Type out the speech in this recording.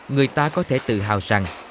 người ta có thể tự hào rằng